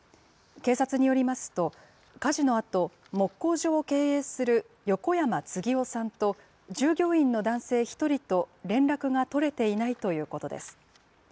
警察によりますと、火事のあと、木工所を経営する横山次雄さんと従業員の男性１人と、連絡が取れていないということです。